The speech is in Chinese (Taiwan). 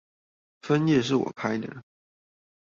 分頁是我開的